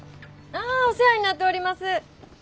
ああお世話になっております。